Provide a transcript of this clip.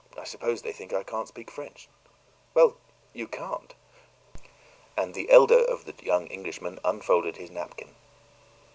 I suppose they think I can't speak French." "Well, you can't." And the elder of the young Englishmen unfolded his napkin.